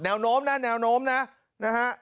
โน้มนะแนวโน้มนะนะฮะ